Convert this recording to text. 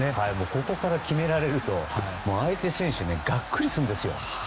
ここから決められると相手選手はがっくりするんですよ。